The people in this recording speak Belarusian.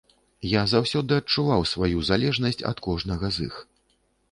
Я заўсёды адчуваў сваю залежнасць ад кожнага з іх.